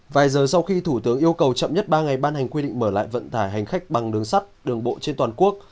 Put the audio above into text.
vài giờ sau khi thủ tướng yêu cầu chậm nhất ba ngày ban hành quy định mở lại vận tải hành khách bằng đường sắt đường bộ trên toàn quốc